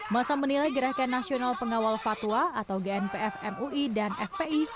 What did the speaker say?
masa menilai gerakan nasional pengawal fatwa atau gnpf mui dan fpi